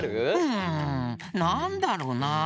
うんなんだろうなあ。